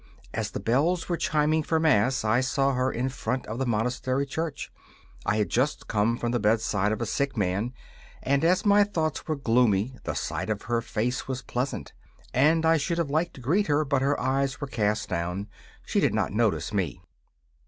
As the bells were chiming for mass I saw her in front of the monastery church. I had just come from the bedside of a sick man, and as my thoughts were gloomy the sight of her face was pleasant, and I should have liked to greet her, but her eyes were cast down: she did not notice me.